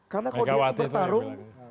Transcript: karena kalau dia bertarung